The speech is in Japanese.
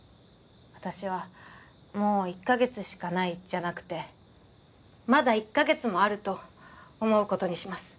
私は「もう１カ月しかない」じゃなくて「まだ１カ月もある」と思うことにします